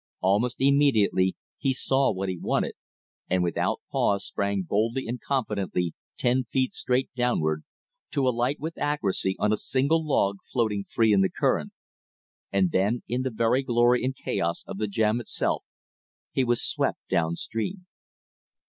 Almost immediately he saw what he wanted, and without pause sprang boldly and confidently ten feet straight downward, to alight with accuracy on a single log floating free in the current. And then in the very glory and chaos of the jam itself he was swept down stream.